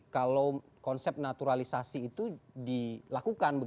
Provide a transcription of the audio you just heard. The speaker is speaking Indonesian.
kalau konsep naturalisasi itu dilakukan